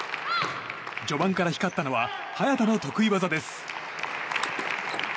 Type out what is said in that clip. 序盤から光ったのは早田の得意技です。